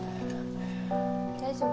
大丈夫？